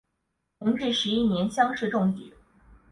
弘治十一年乡试中举。